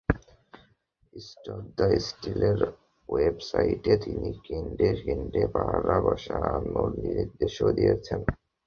Stop the স্টিলের ওয়েবসাইটে তিনি কেন্দ্রে কেন্দ্রে পাহারা বসানোর নির্দেশও দিয়েছেন।